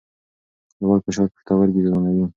لوړ فشار پښتورګي زیانمنوي.